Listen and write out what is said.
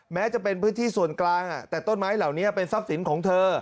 แม้จะเป็นพื้นที่ส่วนกลางแต่ต้นไม้เหล่านี้เป็นทรัพย์สินของเธอ